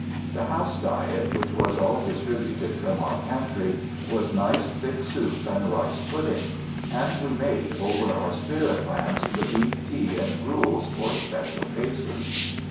The house diet, which was all distributed from our pantry, was nice thick soup and rice pudding, and we made, over our spirit lamps, the beef tea and gruels for special cases.